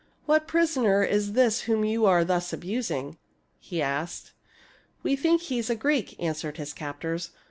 " What prisoner is this whom you are thus abus ing ?" he asked. " We think he is a Greek," answered his captors.